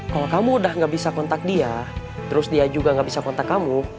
kalau kamu udah gak bisa kontak dia terus dia juga nggak bisa kontak kamu